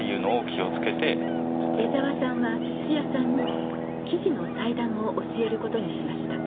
江澤さんは土屋さんに生地の裁断を教えることにしました。